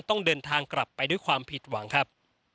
ต้องเดินทางกลับไปด้วยความผิดหวังครับ